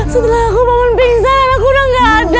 setelah aku bangun pingsan anakku udah nggak ada